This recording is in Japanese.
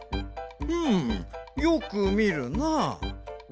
うんよくみるなあ。